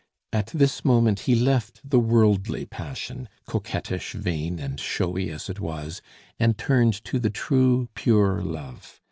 At this moment he left the worldly passion, coquettish, vain, and showy as it was, and turned to the true, pure love.